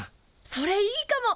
それいいかも！